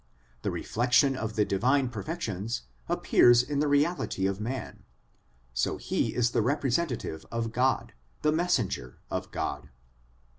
The reflection of the divine perfections appears in the reality of man, so he is the representative of God, the messenger of God.